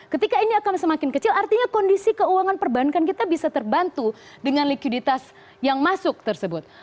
ketika ini akan semakin kecil artinya kondisi keuangan perbankan kita bisa terbantu dengan likuiditas yang masuk tersebut